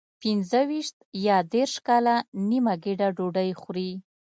پنځه ویشت یا دېرش کاله نیمه ګېډه ډوډۍ خوري.